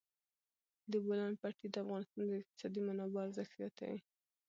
د بولان پټي د افغانستان د اقتصادي منابعو ارزښت زیاتوي.